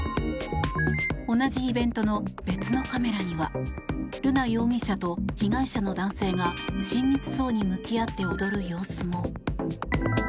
同じイベントの別のカメラには瑠奈容疑者と被害者の男性が親密そうに向き合って踊る様子も。